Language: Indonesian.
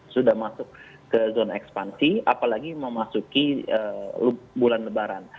sudah masuk ke zona ekspansi apalagi memasuki bulan lebaran